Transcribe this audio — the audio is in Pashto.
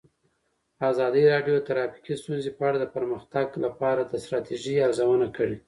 ازادي راډیو د ټرافیکي ستونزې په اړه د پرمختګ لپاره د ستراتیژۍ ارزونه کړې.